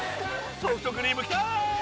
ソフトクリームきたー！